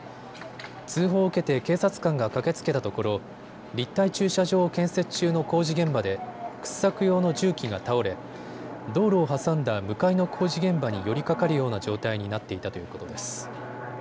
通報を受けて警察官が駆けつけたところ立体駐車場を建設中の工事現場で掘削用の重機が倒れ道路を挟んだ向かいの工事現場に寄りかかるような状態になっていたということです。